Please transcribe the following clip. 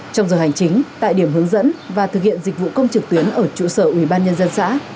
trong giờ hành chính tại điểm hướng dẫn và thực hiện dịch vụ công trực tuyến ở chủ sở ubnd xã